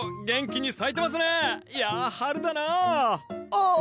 ああ